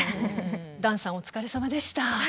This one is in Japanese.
段さんお疲れさまでした。